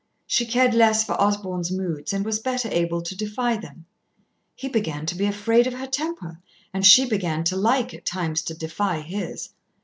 She cared less for Osborn's moods and was better able to defy them. He began to be afraid of her temper, and she began to like at times to defy his.